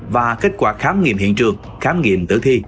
và kết quả khám nghiệm hiện trường khám nghiệm tử thi